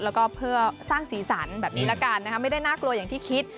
แล้วก็เพื่อสร้างสีสันแบบนี้ละกันนะคะไม่ได้น่ากลัวอย่างที่คิด